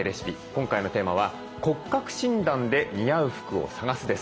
今回のテーマは「骨格診断で似合う服を探す」です。